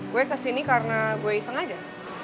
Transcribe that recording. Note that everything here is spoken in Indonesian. gue kesini karena gue iseng aja